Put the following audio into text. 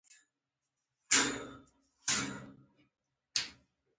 نور به د مزار په لور حرکت وکړو.